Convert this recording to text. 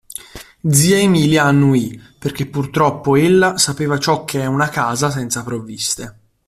Zia Emilia annuì, perché purtroppo ella sapeva ciò che è una casa senza provviste.